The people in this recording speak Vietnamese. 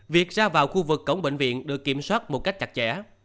việc ra vào khu vực cổng bệnh viện được kiểm soát một cách chặt chẽ